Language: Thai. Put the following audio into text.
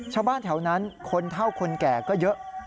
ชาวบ้านแถวนั้นคนเท่าคนแก่ก็เยอะ